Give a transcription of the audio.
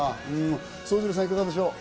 聡次郎さんいかがでしょう？